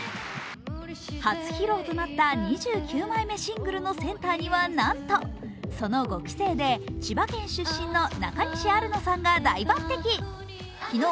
初披露となった２９枚目シングルのセンターにはなんと、その５期生で千葉県出身の中西アルノさんが大抜てき。